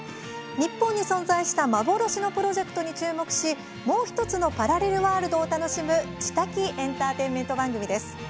日本に存在した幻のプロジェクトに注目しもう１つのパラレルワールドを楽しむ知的エンターテインメント番組です。